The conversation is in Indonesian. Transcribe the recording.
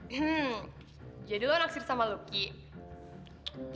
hmm jadi lo naksir sama lucky